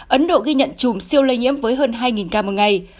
ấn độ ghi nhận chùm siêu lây nhiễm với hơn hai ca một ngày